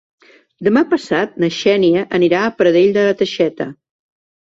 Demà passat na Xènia anirà a Pradell de la Teixeta.